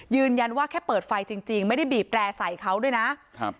ยืนยันว่าแค่เปิดไฟจริงจริงไม่ได้บีบแปรใส่เขาด้วยนะครับ